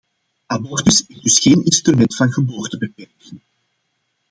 Abortus is dus geen instrument van geboortebeperking.